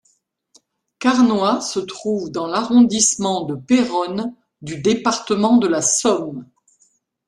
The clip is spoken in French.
Carnoy se trouve dans l'arrondissement de Péronne du département de la Somme.